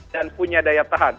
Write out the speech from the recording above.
dan punya daya tahan